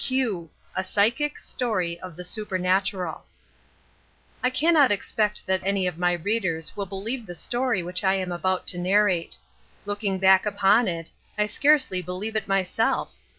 "Q." A Psychic Pstory of the Psupernatural I cannot expect that any of my readers will believe the story which I am about to narrate. Looking back upon it, I scarcely believe it myself.